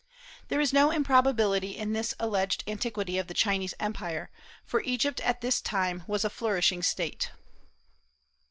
There is no improbability in this alleged antiquity of the Chinese Empire, for Egypt at this time was a flourishing State.